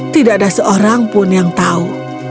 tidak ada seorang pun yang tahu